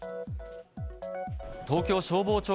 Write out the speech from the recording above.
東京消防庁